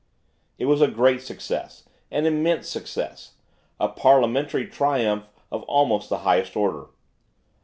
It was a great success, an immense success. A parliamentary triumph of almost the highest order.